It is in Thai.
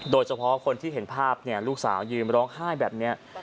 โดยเฉพาะคนที่เห็นภาพลูกสาวยืนร้องไห้แบบนี้